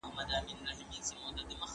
کمپيوټر تېل کنټرولوي.